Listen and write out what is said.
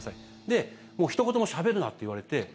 で、もうひと言もしゃべるなって言われて。